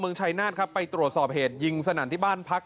ชายนาฏครับไปตรวจสอบเหตุยิงสนั่นที่บ้านพัก